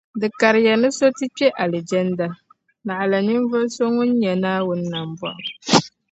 Di kariya ni so ti kpe Alizanda, naɣila ninvuɣu so ŋun nyɛ Naawuni namboɣu